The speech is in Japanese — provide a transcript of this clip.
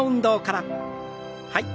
はい。